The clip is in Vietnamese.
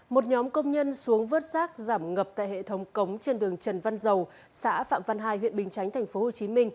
một nhóm công nhân xuống vớt rác giảm ngập tại hệ thống cống trên đường trần văn dầu xã phạm văn hai huyện bình chánh tp hcm